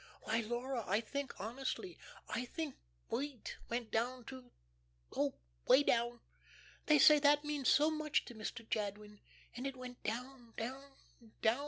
Why, Laura, I think, honestly, I think wheat went down to oh, way down. They say that means so much to Mr. Jadwin, and it went down, down, down.